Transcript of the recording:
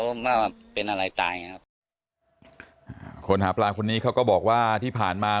ว่าเป็นอะไรตายไงครับอ่าคนหาปลาคนนี้เขาก็บอกว่าที่ผ่านมา